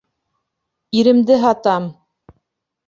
Иремде һатам!